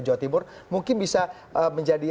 jawa timur mungkin bisa menjadi